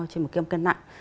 trên một kim cân nặng